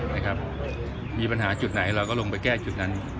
นะครับมีปัญหาจุดไหนเราก็ลงไปแก้จุดนั้น